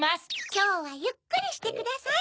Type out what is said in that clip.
きょうはゆっくりしてください。